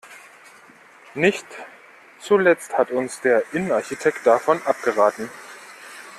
Nicht zuletzt hat uns der Innenarchitekt davon abgeraten.